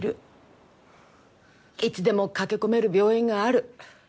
いつでも駆け込める病院がある。